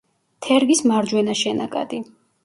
თერგის მარჯვენა შენაკადი.